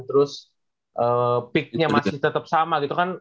terus pick nya masih tetap sama gitu kan